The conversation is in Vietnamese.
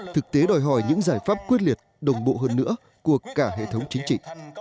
thực tế đòi hỏi những giải pháp quyết liệt đồng bộ hơn nữa của cả hệ thống chính trị